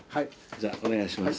じゃあお願いします。